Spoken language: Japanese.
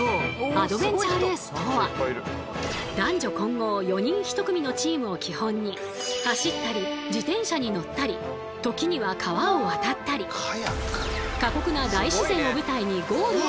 アドベンチャーレースとは男女混合４人１組のチームを基本に走ったり自転車に乗ったり時には川を渡ったり過酷な大自然を舞台にゴールを目指す競技。